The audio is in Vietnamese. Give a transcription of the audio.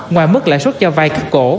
ngoài mức lãi sức cho vay các cổ